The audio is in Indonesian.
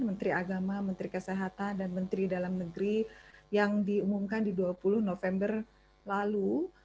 menteri agama menteri kesehatan dan menteri dalam negeri yang diumumkan di dua puluh november lalu